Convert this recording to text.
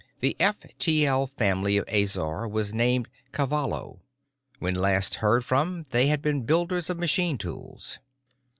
The F T L family of Azor was named Cavallo; when last heard from, they had been builders of machine tools.